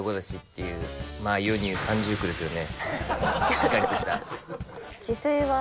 しっかりとした。